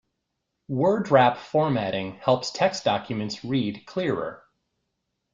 Word wrap formatting helps text documents read clearer.